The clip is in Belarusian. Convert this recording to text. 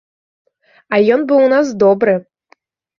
А ён быў у нас добры.